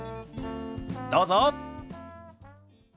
どうぞ。